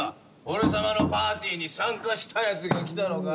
俺さまのパーティーに参加したいやつが来たのか？